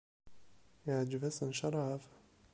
Iεǧeb-asen ccrab?